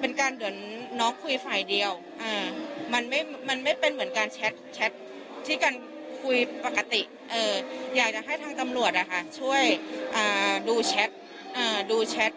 เป็นการเหมือนน้องคุยฝ่ายเดียวมันไม่เป็นเหมือนการแชทที่กันคุยปกติอยากจะให้ทางตำรวจช่วยดูแชท